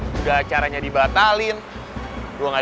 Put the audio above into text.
perkara yang sangat memb cozongkan